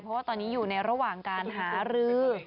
เพราะว่าตอนนี้อยู่ในระหว่างการหารือ